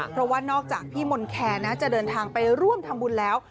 เพราะว่านอกจากพี่มนต์แคร์นะจะเดินทางไปร่วมทำบุญแล้ว